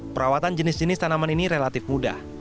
perawatan jenis jenis tanaman ini relatif mudah